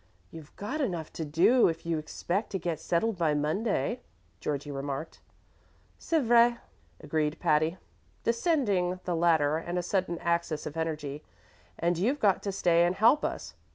"You've got enough to do if you expect to get settled by Monday," Georgie remarked. "C'est vrai," agreed Patty, descending the ladder with a sudden access of energy; "and you've got to stay and help us.